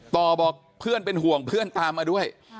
ต่อบอกเพื่อนเป็นห่วงเพื่อนตามมาด้วย